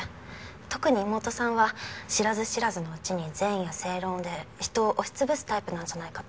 特に妹さんは知らず知らずのうちに善意や正論で人を押し潰すタイプなんじゃないかと。